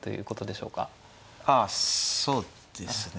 ああそうですね。